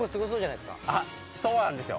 そうなんですよ。